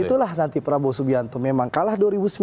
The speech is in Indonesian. dan itulah nanti prabowo subianto memang kalah dua ribu sembilan